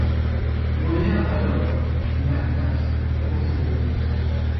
Moyens, alors ? dit Mac Nabbs pour tout concilier.